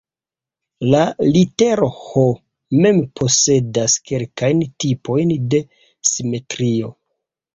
La litero "H" mem posedas kelkajn tipojn de simetrio.